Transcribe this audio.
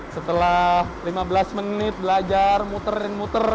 setelah lima belas menit belajar muterin muter